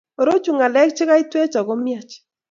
Orochu ngalek chekaitwech ako myach